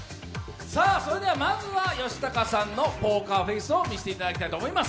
まずは吉高さんのポーカーフェースを見せていただきたいと思います。